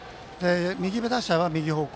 右打者は右方向